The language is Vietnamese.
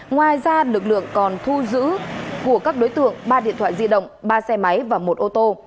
ngoài ra lực lượng còn thu giữ của các đối tượng ba điện thoại di động ba xe máy và một ô tô